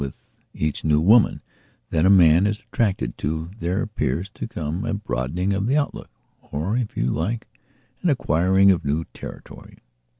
With each new woman that a man is attracted to there appears to come a broadening of the outlook, or, if you like, an acquiring of new territory.